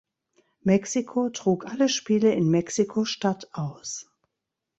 Mexiko trug alle Spiele in Mexiko-Stadt aus.